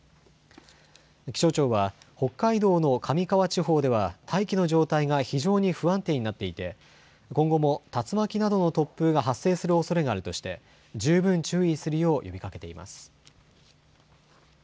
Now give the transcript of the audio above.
気象庁は北海道の上川地方では大気の状態が非常に不安定になっていて今後も竜巻などの突風が発生するおそれがあるとして十分注意するよう呼びかけています。